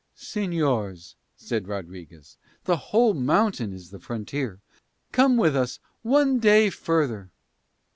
"Señors," said Rodriguez, "the whole mountain is the frontier. Come with us one day further."